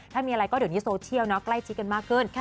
ถ้ามีอะไรก็เดี๋ยวนี้โซเชียลใกล้ชิดกันมากขึ้น